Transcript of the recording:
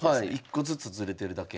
１個ずつずれてるだけ。